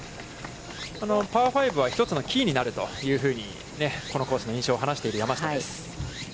パー５は１つのキーになるというふうにこのコースの印象を話している山下です。